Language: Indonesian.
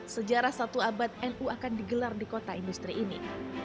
sejarah satu abad nu akan digelar di kota industri ini